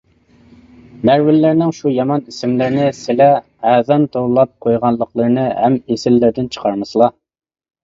نەۋرىلىرىنىڭ شۇ يامان ئىسىملىرىنى سىلە ئەرزان توۋلاپ قويغانلىقلىرىنى ھەم ئېسىللىرىدىن چىقارمىسىلا.